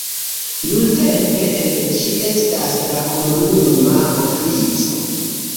Nuntempe en ĝi estas la komunuma ofico.